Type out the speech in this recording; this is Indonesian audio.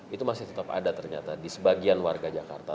itu masih tetap ada ternyata di sebagian warga jakarta